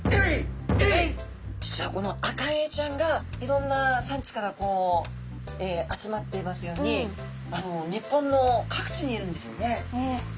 実はこのアカエイちゃんがいろんな産地から集まっていますように日本の各地にいるんですね。